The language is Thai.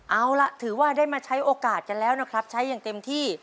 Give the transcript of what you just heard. เอาล่ะถือว่าได้มาใช้โอกาสกันแล้วนะครับใช้อย่างเต็มที่